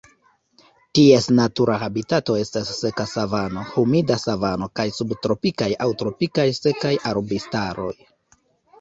Ties natura habitato estas seka savano, humida savano kaj subtropikaj aŭ tropikaj sekaj arbustaroj.